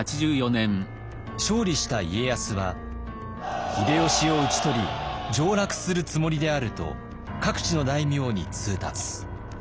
勝利した家康は「秀吉を討ち取り上らくするつもりである」と各地の大名に通達。